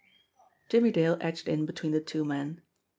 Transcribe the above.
Jimmie Dale edged in between the two men.